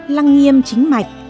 lăng nghiêm chính mạch